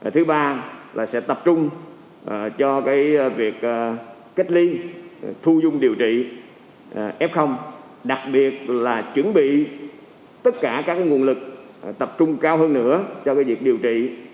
thứ ba là sẽ tập trung cho việc cách ly thu dung điều trị f đặc biệt là chuẩn bị tất cả các nguồn lực tập trung cao hơn nữa cho việc điều trị